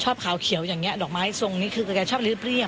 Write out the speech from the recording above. ขาวเขียวอย่างนี้ดอกไม้ทรงนี้คือแกชอบเรียบ